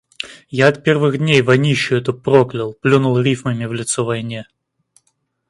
Я от первых дней войнищу эту проклял, плюнул рифмами в лицо войне.